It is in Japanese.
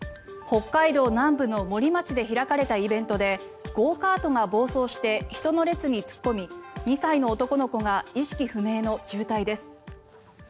北海道南部の森町で開かれたイベントでゴーカートが暴走して人の列に突っ込み２歳の男の子が意識不明の重体です。